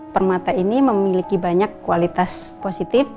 permata ini memiliki banyak kualitas positif